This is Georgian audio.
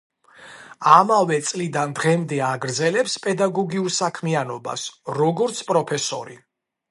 ამავე წლიდან დღემდე აგრძელებს პედაგოგიურ საქმიანობას როგორც პროფესორი.